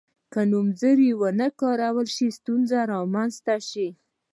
که نومځري ونه کارول شي ستونزه رامنځته شي.